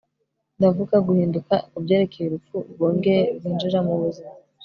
ndavuga guhinduka kubyerekeye urupfu rwongeye kwinjira mubuzima